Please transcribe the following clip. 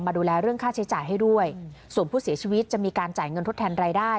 ดูแลเรื่องค่าใช้จ่ายให้ด้วยส่วนผู้เสียชีวิตจะมีการจ่ายเงินทดแทนรายได้